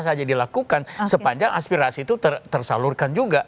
saja dilakukan sepanjang aspirasi itu tersalurkan juga